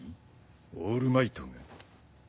オールマイトが？